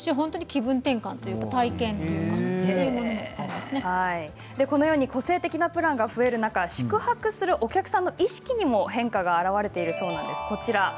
気分転換と個性的なプランが増える中宿泊するお客さんの意識にも変化が現れているそうなんです。